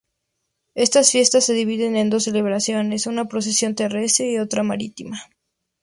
Estas fiestas se dividen en dos celebraciones; una procesión terrestre y otra marítima.